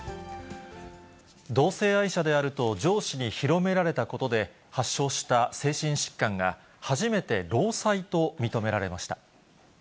同性愛者であると上司に広められたことで発症した精神疾患が、初めて労災と認められました。